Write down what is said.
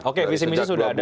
oke visi misi sudah ada